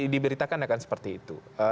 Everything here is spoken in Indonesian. diberitakan akan seperti itu